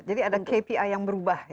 jadi ada kpi yang berubah